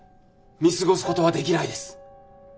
見過ごすことはできないです。